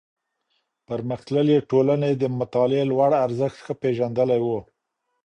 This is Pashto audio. پرمختللې ټولني د مطالعې لوړ ارزښت ښه پېژندلی و.